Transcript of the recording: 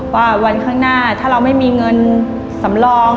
ว่าวันข้างหน้าถ้าเราไม่มีเงินสำรอง